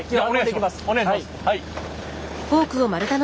お願いします。